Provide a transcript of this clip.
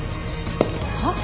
はっ？